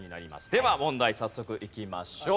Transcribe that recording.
では問題早速いきましょう。